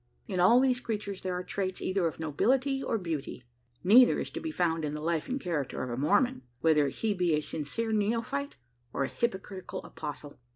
In all these creatures there are traits either of nobility or beauty. Neither is to be found in the life and character of a Mormon whether he be a sincere neophyte or a hypocritical apostle.